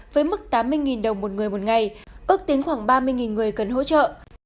với mức tám mươi đồng một người một ngày ước tính khoảng ba mươi người cần hỗ trợ